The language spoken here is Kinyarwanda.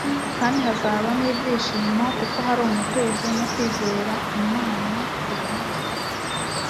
Kandi hazaba n’ibyishimo, kuko hari umutuzo, no kwizera Imana kuboneye.